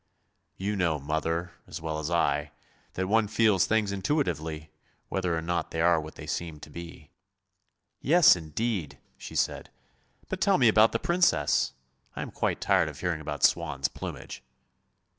You know, mother, as well as I, that one feels things intuitively, whether or not they are what they seem to be." :' Yes, indeed! " she said, " but tell me about the Princess, I am quite tired of hearing about swan's plumage."